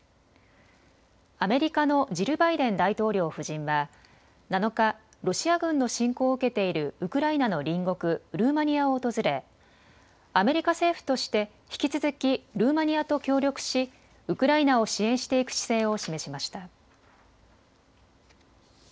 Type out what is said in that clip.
アメリカのジル・バイデン大統領夫人は７日、ロシア軍の侵攻を受けているウクライナの隣国ルーマニアを訪れアメリカ政府として引き続きルーマニアと協力しウクライナを支援していく姿勢を示しました。